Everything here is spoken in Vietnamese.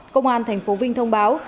công an thành phố vinh thông báo